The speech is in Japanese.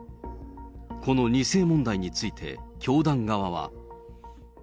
この２世問題について、教団側は。